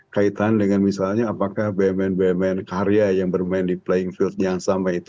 kaitan dengan misalnya apakah bumn bumn karya yang bermain di playing field yang sama itu